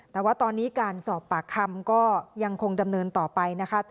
แต่ว่าตอนนี้การสอบปากคำก็ยังคงดำเนินต่อไปนะคะ